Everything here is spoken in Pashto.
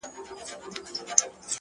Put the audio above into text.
• چي بیا به څه ډول حالت وي، د ملنگ،